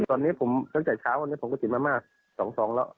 ตอนนี้ผมตั้งแต่เช้าวันนี้ผมก็ติดมามาก๒แล้ว